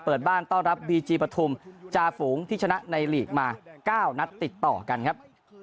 เปิดบ้านต้อนรับบีจีปฐุมจาฝูงที่ชนะในลีกมา๙นัดติดต่อกันครับ